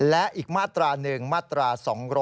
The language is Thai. และอีกมาตราหนึ่งมาตรา๒๘๕